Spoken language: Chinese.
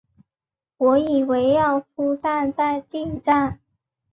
我以为要出站再进站